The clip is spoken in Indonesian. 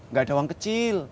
gak ada uang kecil